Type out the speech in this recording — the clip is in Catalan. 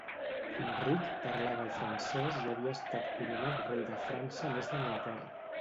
Enric parlava el francès i havia estat coronat rei de França a més d'Anglaterra.